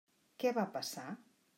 Què va passar?